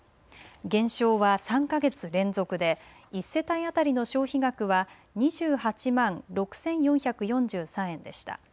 減少は３か月連続で１世帯当たりの消費額は２８万６４４３円でした。